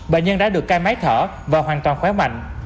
bệnh nhân đã được cai máy thở và hoàn toàn khóe mạnh